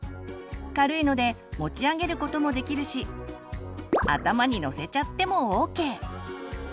軽いので持ち上げることもできるし頭にのせちゃってもＯＫ！